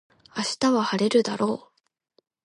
明日は晴れるだろう